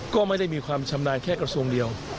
ก็ไม่ได้มีความชำนาญแค่กระทรวงเดียว